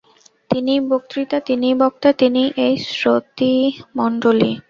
তিনিই বক্তৃতা, তিনিই বক্তা, তিনিই এই শ্রোতৃমণ্ডলী।